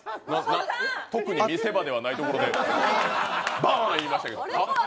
特に見せ場ではないところでバーンいいましたけど。